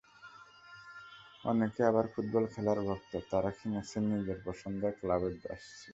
অনেকে আবার ফুটবল খেলারও ভক্ত, তাঁরা কিনছেন নিজের পছন্দের ক্লাবের জার্সি।